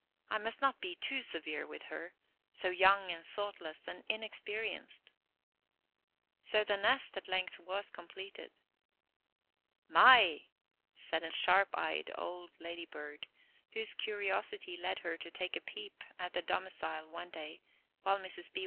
I must not be too severe with her, so young and thoughtless and inexperienced." So the nest at length was completed. "My!" said a sharp eyed old lady bird, whose curiosity led her to take a peep at the domicile one day while Mrs. B.